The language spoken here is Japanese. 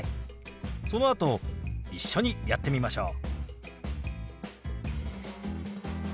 そのあと一緒にやってみましょう。